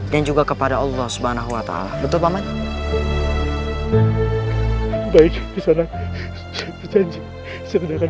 dan juga kepada allah subhanahuwata'ala betul banget baik baik saja berjanji sedangkan